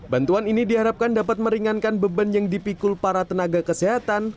bantuan ini diharapkan dapat meringankan beban yang dipikul para tenaga kesehatan